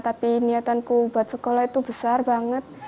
tapi niatanku buat sekolah itu besar banget